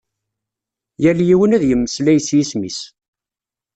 Yal yiwen ad yemmeslay s yisem-is.